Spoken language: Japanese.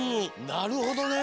なるほどね。